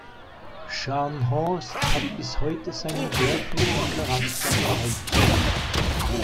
Scharnhorst hat bis heute seinen dörflichen Charakter behalten.